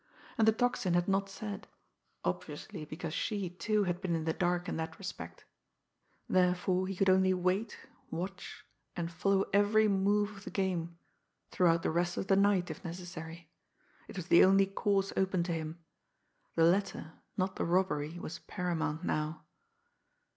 And the Tocsin had not said obviously because she, too, had been in the dark in that respect. Therefore he could only wait, watch and follow every move of the game throughout the rest of the night, if necessary! It was the only course open to him; the letter, not the robbery, was paramount now.